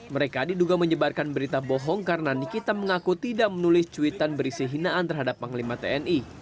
mereka diduga menyebarkan berita bohong karena nikita mengaku tidak menulis cuitan berisi hinaan terhadap panglima tni